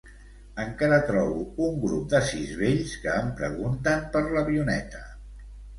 Encara trobo un grup de sis vells que em pregunten per l'avioneta.